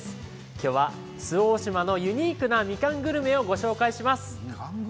今日は周防大島の、ユニークなみかんグルメをご紹介します。